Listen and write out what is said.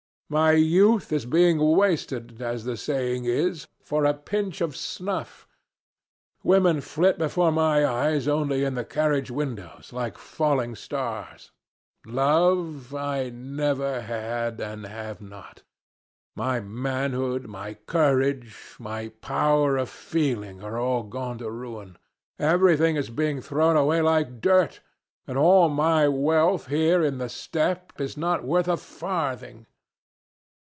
My youth is being wasted, as the saying is, for a pinch of snuff. Women flit before my eyes only in the carriage windows, like falling stars. Love I never had and have not. My manhood, my courage, my power of feeling are going to ruin.... Everything is being thrown away like dirt, and all my wealth here in the steppe is not worth a farthing."